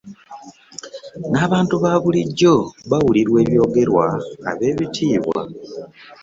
N'abantu ba bulijo bawulirwa ebyogerwa ab'ebitiibwa .